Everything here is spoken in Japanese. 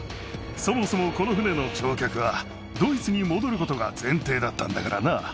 そもそもこの船の乗客は、ドイツに戻ることが前提だったんだからな。